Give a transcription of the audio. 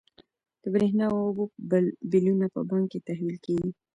د برښنا او اوبو بلونه په بانک کې تحویل کیږي.